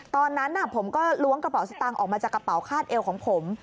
ตอนนั้นผมก็ล้วงกระเป๋าสตางค์ออกมาจากกระเป๋าคาดเอวของผม